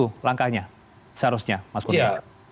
jadi itu langkahnya seharusnya mas kurnia